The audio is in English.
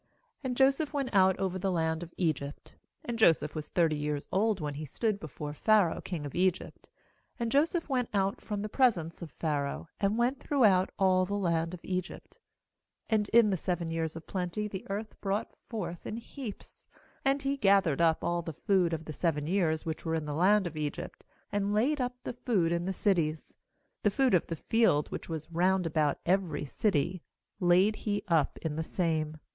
And Joseph went out over the land of 51 41.45 GENESIS Egypt. — 46And Joseph was thirty years old when he stood before Pha raoh king of Egypt. — And Joseph went out from the presence of Pharaoh, and went throughout all the land of Egypt, ,47And in the seven years of plenty the earth brought forth in heaps. ^And he gathered up all the food of the seven years which were in the land of Egypt, and laid up the food^in the cities; the food of the field, which was round about every city, laid he up in the same.